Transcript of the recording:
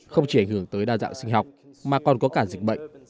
không chỉ ảnh hưởng tới đa dạng sinh học mà còn có cả dịch bệnh